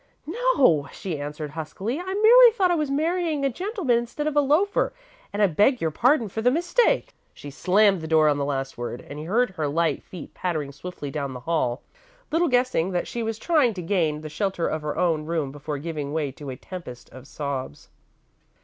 "No," she answered, huskily; "I merely thought I was marrying a gentleman instead of a loafer, and I beg your pardon for the mistake!" She slammed the door on the last word, and he heard her light feet pattering swiftly down the hall, little guessing that she was trying to gain the shelter of her own room before giving way to a tempest of sobs.